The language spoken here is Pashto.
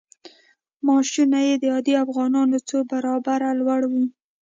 معاشونه یې د عادي افغانانو څو برابره لوړ وو.